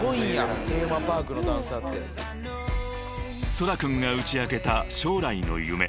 ［天空君が打ち明けた将来の夢］